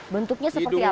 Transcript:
bentuknya seperti apa